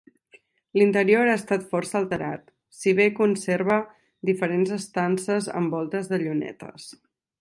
L'interior ha estat força alterat, si bé conserva diferents estances amb voltes de llunetes.